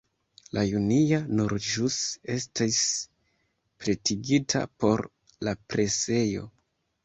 La junia nur ĵus estis pretigita por la presejo.